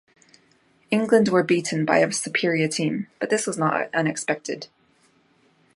England were beaten by a superior team, but this was not unexpected.